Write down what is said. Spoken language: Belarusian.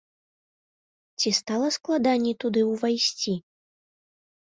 Ці стала складаней туды ўвайсці?